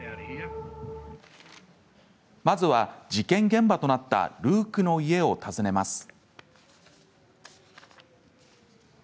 まずは事件現場であるルークの家を訪ねます。